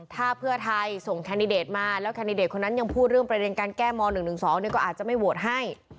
ถ้าเพื่อไทยส่งแคนดิเดตมาแล้วแคนดิเดตคนนั้นยังพูดเรื่องประเด็นการแก้ม๑๑๒ก็อาจจะไม่โหวตให้